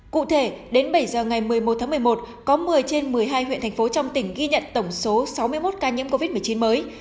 cụ thể đến bảy giờ ngày một mươi một tháng một mươi một có một mươi trên một mươi hai huyện thành phố trong tỉnh ghi nhận tổng số sáu mươi một ca nhiễm covid một mươi chín mới